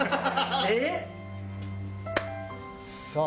えっ？さあ。